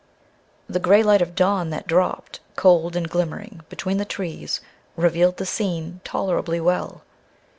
The grey light of dawn that dropped, cold and glimmering, between the trees revealed the scene tolerably well.